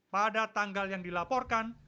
pada tanggal yang dilaporkan